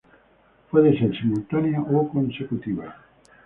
Puede ser simultánea o consecutiva.